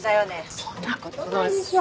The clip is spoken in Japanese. そんなことないでしょ。